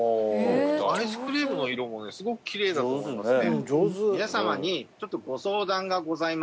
アイスクリームの色もねすごくきれいだと思いますね。